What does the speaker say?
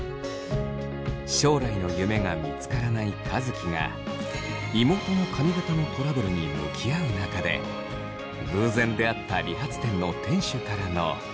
将来の夢が見つからない和樹が妹の髪形のトラブルに向き合う中で偶然出会った理髪店の店主からの。